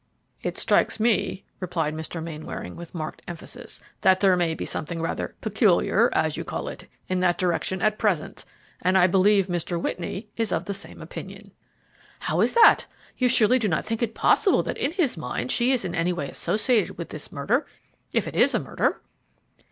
"It strikes me," replied Mr. Mainwaring with marked emphasis, "that there may be something rather 'peculiar,' as you call it, in that direction at present, and I believe Mr. Whitney is of the same opinion." "How is that? You surely do not think it possible that in his mind she is in any way associated with this murder if it is a murder?"